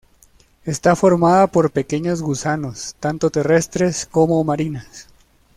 Está formada por pequeños gusanos tanto terrestres como marinas.